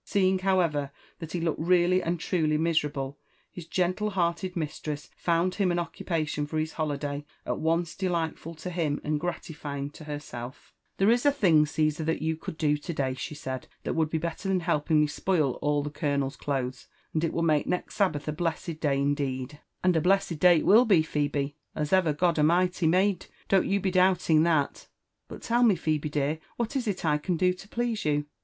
See^ ing, however, that he looked really and truly miserable, his gentle hearted mistress found him an occupation for his holiday at once de lightful to him and gratifying to herself. 17 tM ' LIFE AND ADVENTURES OT *< There it a thing, C«sar, thai you could do to day,"* 4m iaid« ^^fligl would be belter than helpifig me spoil alt the ooloneri clotties, and fl would make next Sabbath a blessed day indeed 1 "'* And a blessed day it will be, Phebe, as eyer God a'niighty made— don't you be doubling that : but tell me, Phebe dear, what is ft I caa do to please you?"